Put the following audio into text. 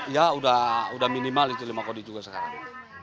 ya udah minimal itu lima kodi juga sekarang